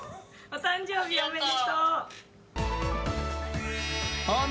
お誕生日おめでとう。